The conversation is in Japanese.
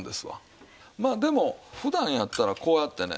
まあでも普段やったらこうやってね。